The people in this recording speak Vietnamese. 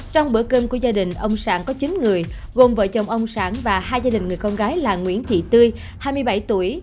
trong bữa cơm của gia đình ông sản có chín người gồm vợ chồng ông sản và hai gia đình người con gái là nguyễn thị tươi hai mươi bảy tuổi